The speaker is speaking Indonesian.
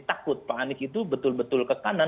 takut pak anies itu betul betul ke kanan